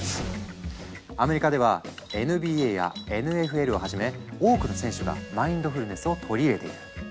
アメリカではＮＢＡやＮＦＬをはじめ多くの選手がマインドフルネスを取り入れている。